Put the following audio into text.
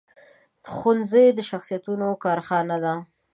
ښوونځی د شخصیتونو کارخانه ده